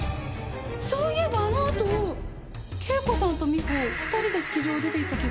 そういえばあのあと圭子さんと美穂２人で式場を出て行った気がする。